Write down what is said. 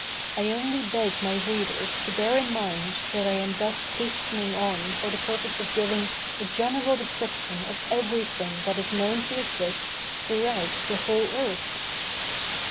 I only beg my readers to bear in mind that I am thus hastening on for the purpose of giving a general description of everything that is known to exist throughout the whole earth.